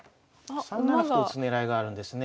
３七歩と打つ狙いがあるんですね。